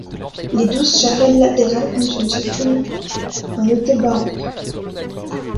Les douze chapelles latérales contiennent chacune un autel baroque.